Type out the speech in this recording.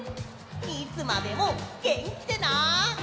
いつまでもげんきでな！